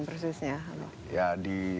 prosesnya ya di